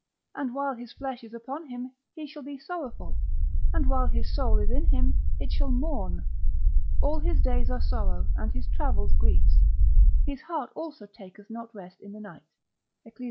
And while his flesh is upon him he shall be sorrowful, and while his soul is in him it shall mourn. All his days are sorrow and his travels griefs: his heart also taketh not rest in the night. Eccles.